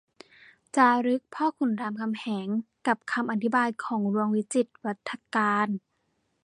จารึกพ่อขุนรามคำแหง กับคำอธิบายของหลวงวิจิตรวาทการ